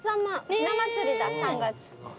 ひな祭りだ３月。